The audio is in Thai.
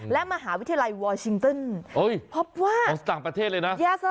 และมหาวิทยาลัยวอชิงต้นเพราะว่าต่างประเทศเลยน่ะ